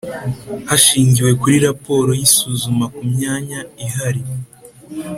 hashingiwe kuri raporo y isuzuma ku myanya ihari